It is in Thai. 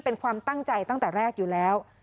เป็นความตั้งใจตั้งแต่แรกอยู่แล้ว